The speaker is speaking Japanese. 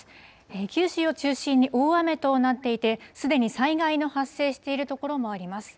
九州を中心に大雨となっていて、すでに災害の発生している所もあります。